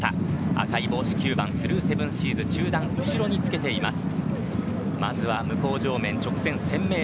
赤い帽子９番・スルーセブンシーズ中団、後ろにつけています。